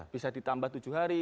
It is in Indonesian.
bisa ditambah tujuh hari